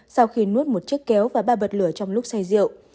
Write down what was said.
sau khi nuốt một chiếc kéo và ba bật lửa trong lúc say rượu